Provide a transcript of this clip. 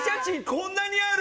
こんなにある！